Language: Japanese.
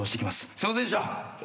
すいませんでした！